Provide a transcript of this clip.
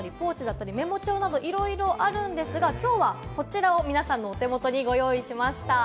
ノートだったりポーチだったりメモ帳などいろいろあるんですが、今日はこちらを皆さんのお手元にご用意しました。